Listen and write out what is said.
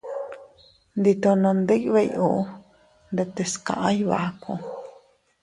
Nditono ndibey uu ndetes kaʼa Iybaku.